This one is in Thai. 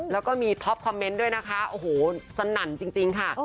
แล้วก็มีท็อปคอมเมนต์ด้วยนะคะโอ้โหสนั่นจริงค่ะ